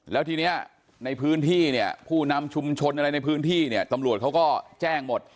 แล้วทีนี้ในพื้นที่เนี่ยผู้นำชุมชนอะไรในพื้นที่เนี่ยตำรวจเขาก็แจ้งหมด